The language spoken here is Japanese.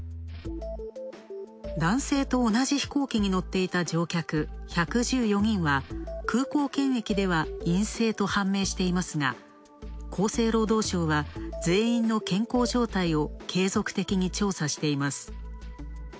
男性と同じ飛行機に乗っていた１１４人は、空港検疫では陰性と判明していますが厚生労働省は全員の健康状態を継続的に調査しています。